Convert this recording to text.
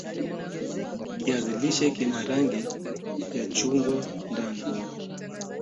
Kiazi lishe kina rangi ya chungwa ndani